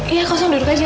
iya kosong duduk aja